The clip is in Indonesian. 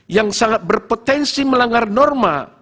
yang sangat berpotensi melanggar norma